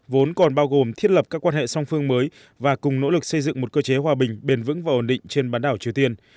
vốn còn bao gồm thiết lập các quan hệ song phương mới và cùng nỗ lực xây dựng một cơ chế hòa bình bền vững và ổn định trên bán đảo triều tiên